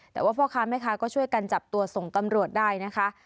แต่ว่าพ่อค้าแม่ค้าก็ช่วยกันจับตัวส่งตำรวจได้นะคะ